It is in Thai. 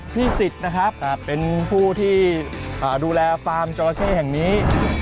สิทธิ์นะครับเป็นผู้ที่ดูแลฟาร์มจอราเข้แห่งนี้